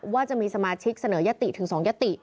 ว่าจะมีสมาชิกเสนอแยะติถึงสองแยะติ